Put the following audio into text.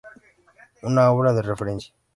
Una obra de referencia.